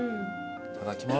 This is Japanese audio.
いただきます